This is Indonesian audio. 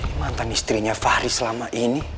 jadi mantan istrinya fahri selama ini